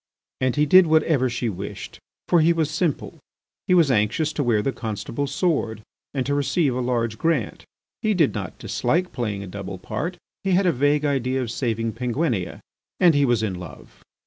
And he did whatever she wished, for he was simple, he was anxious to wear the Constable's sword, and to receive a large grant; he did not dislike playing a double part, he had a vague idea of saving Penguinia, and he was in love.